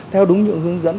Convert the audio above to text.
theo đúng những hướng dẫn